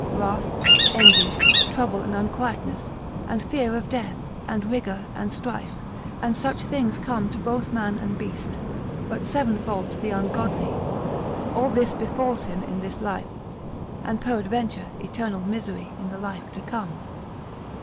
Wrath, envy, trouble, and unquietness, and fear of death, and rigour, and strife, and such things come to both man and beast, but sevenfold to the ungodly. All this befalls him in this life, and peradventure eternal misery in the life to come.